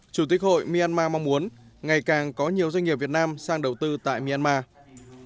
chủ tịch hội myanmar mong muốn ngày càng có nhiều doanh nghiệp việt nam sang đầu tư tại myanmar